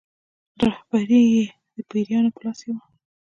رهبري یې د پیرانو په لاس کې وه.